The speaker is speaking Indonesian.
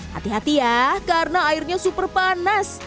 hati hati ya karena airnya super panas